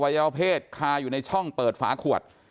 ยาวเพศคาอยู่ในช่องเปิดฝาขวด